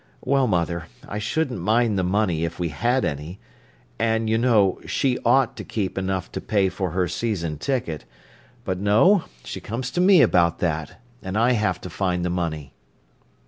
Well, mother, I shouldn't mind the money if we had any. And, you know, she ought to keep enough to pay for her season ticket; but no, she comes to me about that, and I have to find the money."